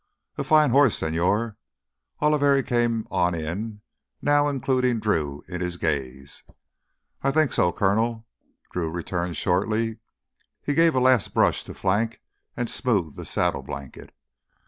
"A fine horse, señor." Oliveri came on in, now including Drew in his gaze. "I think so, Coronel," Drew returned shortly. He gave a last brush to flank and smoothed the saddle blanket.